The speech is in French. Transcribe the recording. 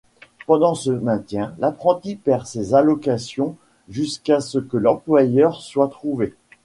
Pendant ce maintien, l'apprenti perd ses allocations jusqu'à ce que l'employeur soit trouvé.